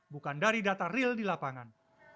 bukan dari data real di lapangan